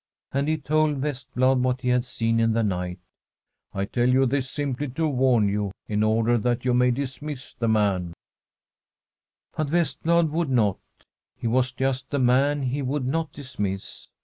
And he told Vest blad what he had seen in the night. ' I tell you this simply to warn you, in order that you may dismiss the man/ I 321 1 Frm M SWEDISH HOMESTEAD But Vestblad would not ; he was just the man he would not dismiss.